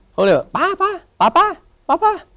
เขาเลยว่าป๊าป๊าป๊าป๊าป๊า